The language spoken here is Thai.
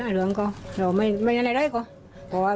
ถ้าว่าเป็นจริงกันลุกนะ